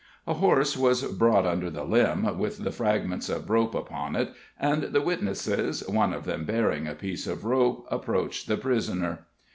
A horse was brought under the limb, with the fragments of rope upon it, and the witnesses, one of them bearing a piece of rope, approached the prisoner.